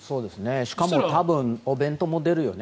しかも多分お弁当も出るよね。